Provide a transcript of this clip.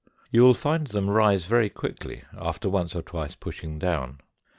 You will find them rise very quickly, after once or twice pushing down.